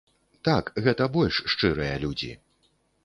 Так, гэта больш шчырыя людзі.